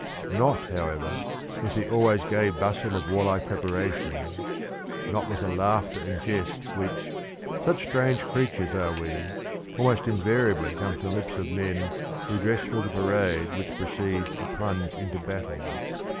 Not, however, with the always gay bustle of warlike preparations; not with the laughter and jest which such strange creatures are we almost invariably come from the lips of men who dress for the parade which precedes a plunge into battle.